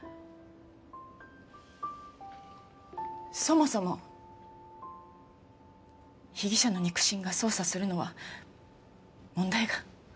そもそも被疑者の肉親が捜査するのは問題が。